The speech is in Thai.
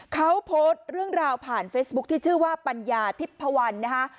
เขาโพสต์เรื่องราวผ่านเฟซบุ๊คที่ชื่อว่าปัญญาทิพพวันนะคะ